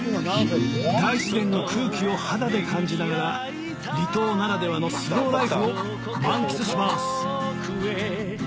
大自然の空気を肌で感じながら離島ならではのスローライフを満喫します